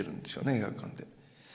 映画館で。